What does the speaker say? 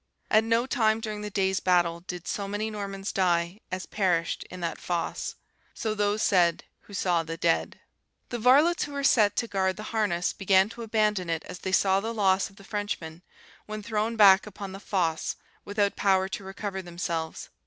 At no time during the day's battle did so many Normans die as perished in that fosse. So those said who saw the dead. "The varlets who were set to guard the harness began to abandon it as they saw the loss of the Frenchmen, when thrown back upon the fosse without power to recover themselves.